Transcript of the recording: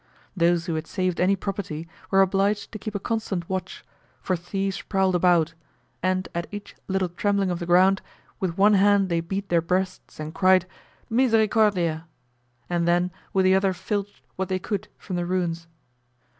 Those who had saved any property were obliged to keep a constant watch, for thieves prowled about, and at each little trembling of the ground, with one hand they beat their breasts and cried "Misericordia!" and then with the other filched what they could from the ruins.